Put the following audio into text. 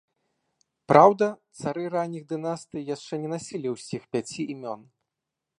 Праўда, цары ранніх дынастый яшчэ не насілі ўсіх пяці імён.